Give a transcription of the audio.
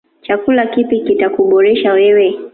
Chakula kipi kita kuboresha wewe.